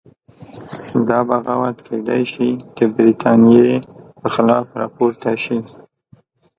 دا بغاوت کېدای شي د برتانیې په خلاف راپورته شي.